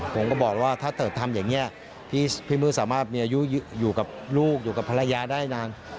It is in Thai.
ผมก็บอกว่าถ้าเกิดทำอย่างนี้พี่มื้อสามารถมีอายุอยู่กับลูกอยู่กับภรรยาได้นาน